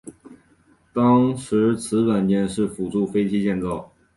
当时此软件是辅助飞机建造。